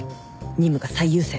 任務が最優先